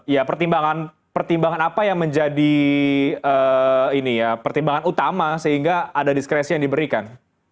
ya pertimbangan apa yang menjadi pertimbangan utama sehingga ada diskresi yang diberikan